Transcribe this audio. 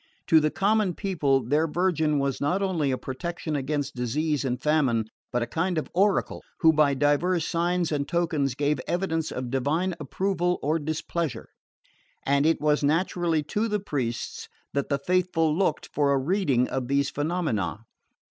To the common people their Virgin was not only a protection against disease and famine, but a kind of oracle, who by divers signs and tokens gave evidence of divine approval or displeasure; and it was naturally to the priests that the faithful looked for a reading of these phenomena.